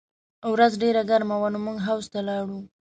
ورځ ډېره ګرمه وه نو موږ حوض ته لاړو